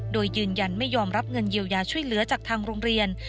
โดยยืนยันไม่ยอมรับเงินเยียวยาช่วยเหลือจากทางโรงเรียน